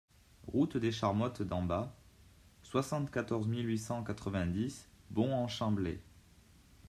Route des Charmottes d'en Bas, soixante-quatorze mille huit cent quatre-vingt-dix Bons-en-Chablais